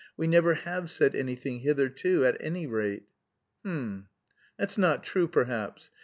We never have said anything hitherto, at any rate...." "H'm! That's not true, perhaps.